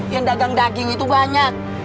yang dagang daging itu banyak